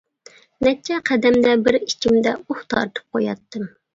نەچچە قەدەمدە بىر ئىچىمدە ئۇھ تارتىپ قوياتتىم.